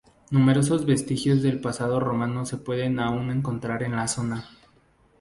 Numerosos vestigios del pasado romano se pueden aún encontrar en la zona.